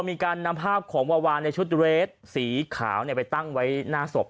มีการนำภาพของวาวาในชุดเรสสีขาวไปตั้งไว้หน้าศพ